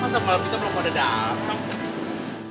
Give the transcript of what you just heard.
masa malem kita belum ada datang